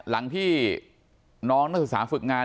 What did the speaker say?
หลังที่น้องนักศึกษาฝึกงาน